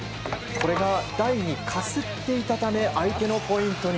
これが台にかすっていたため相手のポイントに。